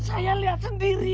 saya lihat sendiri